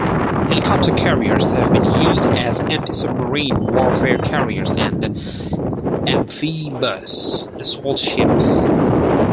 Helicopter carriers have been used as anti-submarine warfare carriers and amphibious assault ships.